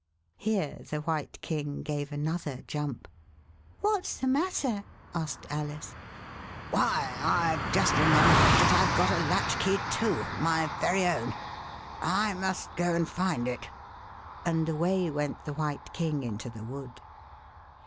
Here the White King gave another jump. " Whats the matter ?" asked Alice. Why, I've just remembered that I've got a latch key too, my very own ! I must go and find it." And away went the White King into the wood.